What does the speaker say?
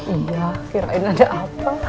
iya kirain ada apa